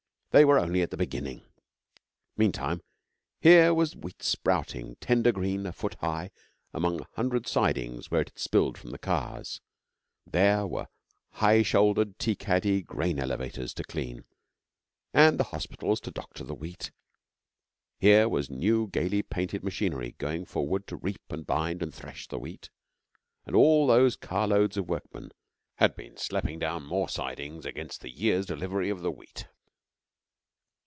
They were only at the beginning. Meantime here was the Wheat sprouting, tender green, a foot high, among a hundred sidings where it had spilled from the cars; there were the high shouldered, tea caddy grain elevators to clean, and the hospitals to doctor the Wheat; here was new, gaily painted machinery going forward to reap and bind and thresh the Wheat, and all those car loads of workmen had been slapping down more sidings against the year's delivery of the Wheat.